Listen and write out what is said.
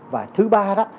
và thứ ba đó